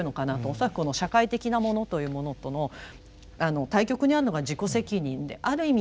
恐らく社会的なものというものとの対極にあるのが自己責任である意味